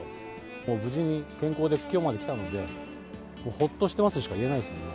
もう無事に健康できょうまできたので、ほっとしてますしか言えないですね。